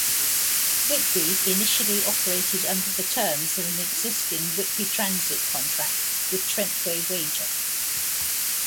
Whitby initially operated under the terms of an existing Whitby Transit contract with Trentway-Wagar.